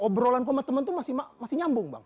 obrolan gue sama temen tuh masih nyambung bang